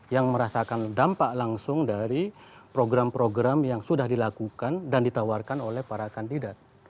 yang merasakan dampak langsung dari program program yang sudah dilakukan dan ditawarkan oleh para kandidat